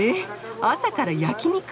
朝から焼き肉！